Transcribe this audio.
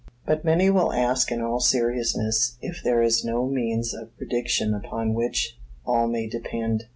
But many will ask in all seriousness, if there is no means of prediction upon which all may depend.